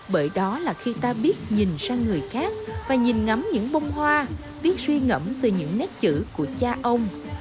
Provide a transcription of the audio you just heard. bởi đó là khi ta biết nhìn sang người khác và nhìn ngắm những bông hoa viết suy ngẫm từ những nét chữ của cha ông